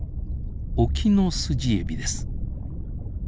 オキノスジエビです。